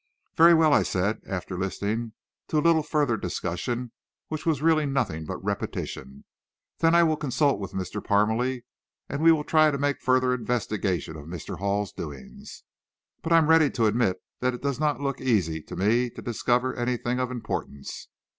"Very well," I said, after listening to a little further discussion, which was really nothing but repetition, "then I will consult with Mr. Parmalee, and we will try to make further investigation of Mr. Hall's doings. But I'm ready to admit that it does not look easy to me to discover anything of importance.